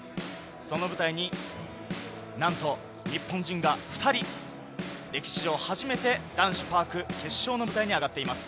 その舞台に、なんと日本人が２人、歴史上初めて男子パーク決勝の舞台に上がっています。